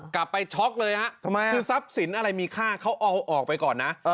ช็อกเลยฮะทำไมคือทรัพย์สินอะไรมีค่าเขาเอาออกไปก่อนนะ